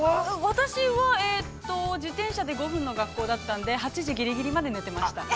◆私は、えーっと、自転車で５分の学校だったんで８時ぎりぎりまで寝てました。